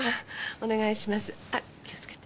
お願いします。